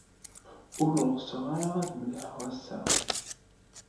Ur ɣseɣ ara ad mahleɣ ass-a.